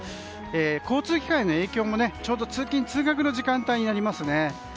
交通機関への影響も、ちょうど通勤・通学の時間帯になります。